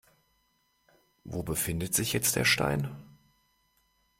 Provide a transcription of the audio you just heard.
Wo befindet sich jetzt der Stein?